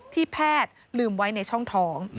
แพทย์ลืมไว้ในช่องท้อง